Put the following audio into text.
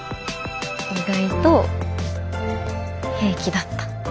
意外と平気だった。